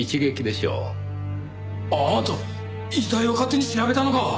あなた遺体を勝手に調べたのか？